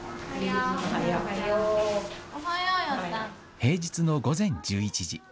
平日の午前１１時。